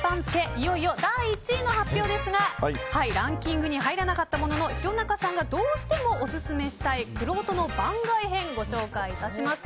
いよいよ第１位の発表ですがランキングに入らなかったものの廣中さんがどうしてもおすすめしたいくろうとの番外編ご紹介いたします。